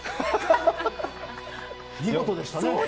見事でしたね。